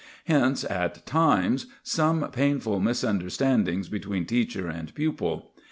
Hence, at times, some painful misunderstandings between teacher and pupil.